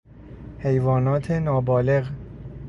حیوانات نابالغ